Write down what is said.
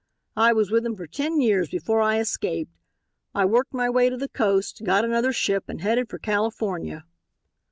I was with him for ten years before I escaped. I worked my way to the coast, got another ship and headed for California.